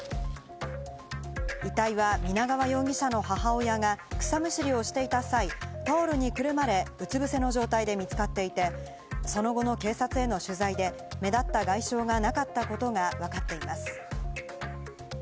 遺体は皆川容疑者の母親が草むしりをしていた際、タオルにくるまれ、うつぶせの状態で見つかっていて、その後の警察への取材で目立った外傷がなかったことがわかっています。